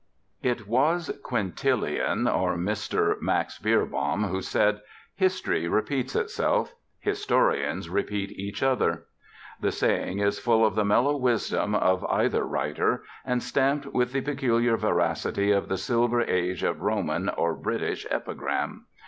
It was Quintillian or Mr. Max Beerbohm who said, "History repeats itself: historians repeat each other." The saying is full of the mellow wisdom of either writer, and stamped with the peculiar veracity of the Silver Age of Roman or British epigram.